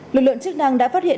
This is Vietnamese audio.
lực lượng chức năng đã phát hiện